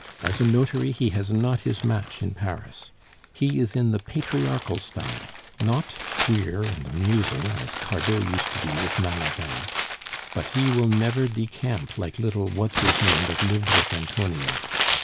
as a notary he has not his match in Paris. He is in the patriarchal style; not queer and amusing, as Cardot used to be with Malaga; but he will never decamp like little What's his name that lived with Antonia.